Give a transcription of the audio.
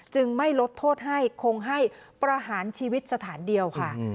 ไม่ลดโทษให้คงให้ประหารชีวิตสถานเดียวค่ะ